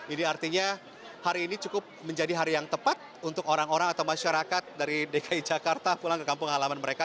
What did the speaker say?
ini artinya hari ini cukup menjadi hari yang tepat untuk orang orang atau masyarakat dari dki jakarta pulang ke kampung halaman mereka